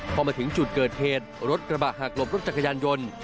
พอมาถึงจุดเกิดเหตุรถกระบะหักหลบรถจักรยานยนต์